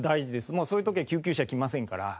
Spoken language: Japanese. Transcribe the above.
もうそういう時は救急車来ませんから。